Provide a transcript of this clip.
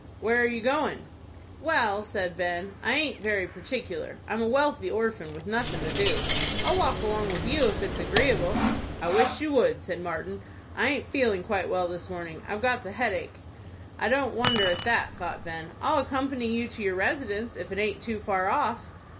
"Where are you going?" "Well," said Ben, "I aint very particular. I'm a wealthy orphan, with nothin' to do. I'll walk along with you, if it's agreeable." "I wish you would," said Martin; "I aint feeling quite well this morning. I've got the headache." "I don't wonder at that," thought Ben. "I'll accompany you to your residence, if it aint too far off."